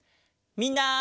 みんな。